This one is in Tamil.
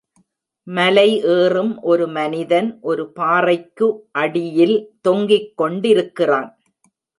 மலை ஏறும் ஒரு மனிதன் ஒரு பாறைக்கு அடியில் தொங்கிக்கொண்டிருக்கிறான்